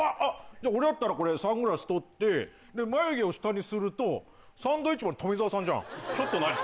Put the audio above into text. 俺だったらこれサングラス取って眉毛を下にするとサンドウィッチマンの富澤さんじゃん。